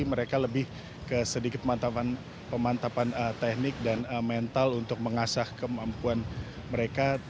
mereka lebih ke sedikit pemantapan teknik dan mental untuk mengasah kemampuan mereka